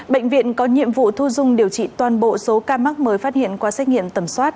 bệnh viện có nhiệm vụ thu dung điều trị toàn bộ số ca mắc mới phát hiện qua xét nghiệm tầm soát